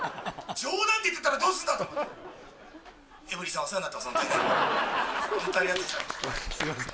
冗談で言ってたらどうすんだと思って。